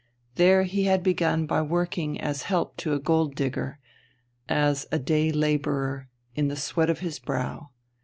There he had begun by working as help to a gold digger, as a day labourer, in the sweat of his brow.